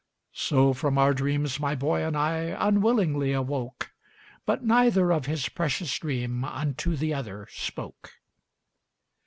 So from our dreams my boy and I Unwillingly awoke, But neither of his precious dream Unto the other spoke.